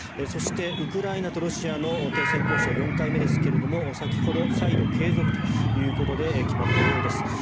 そして、ウクライナとロシアの停戦交渉、４回目ですが先ほど、再度継続ということで決まったようです。